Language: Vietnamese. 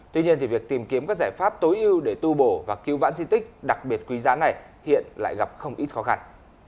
tuy nhiên việc tìm kiếm các giải pháp tối ưu để tu bổ và cứu vãn di tích đặc biệt quý giá này hiện lại gặp không ít khó khăn